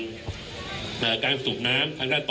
คุณผู้ชมไปฟังผู้ว่ารัฐกาลจังหวัดเชียงรายแถลงตอนนี้ค่ะ